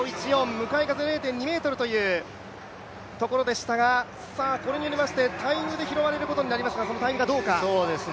向かい風０．２ｍというところでしたが、これによりましてタイムで拾われることになりますが、そのタイムがどうか。